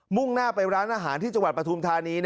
่งหน้าไปร้านอาหารที่จังหวัดปฐุมธานี